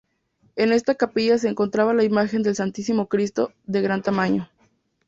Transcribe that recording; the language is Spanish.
En esta capilla se encontraba la imagen del Santísimo Cristo, de gran tamaño.